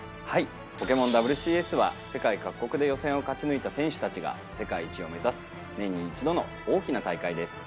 ポケモンＷＣＳは世界各国で予選を勝ち抜いた選手たちが世界一を目指す年に１度の大きな大会です。